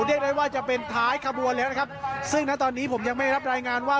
เรียกได้ว่าจะเป็นท้ายขบวนแล้วนะครับซึ่งณตอนนี้ผมยังไม่รับรายงานว่า